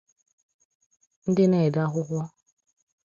ndị na-ede akwụkwọ